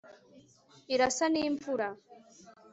irasa nimvura